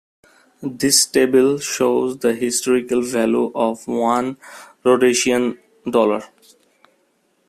This table shows the historical value of one Rhodesian dollar.